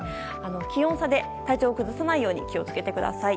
気温差で、体調を崩さないように気を付けてください。